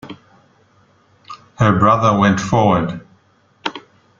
Her brother went forward.